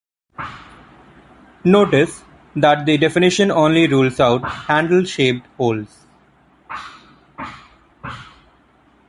Notice that the definition only rules out "handle-shaped" holes.